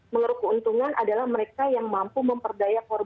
menurut keuntungan adalah mereka yang mampu memperdaya korban investor